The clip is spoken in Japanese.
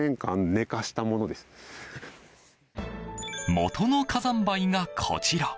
元の火山灰がこちら。